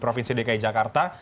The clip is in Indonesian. provinsi dki jakarta